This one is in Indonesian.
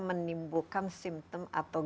menimbulkan simptom atau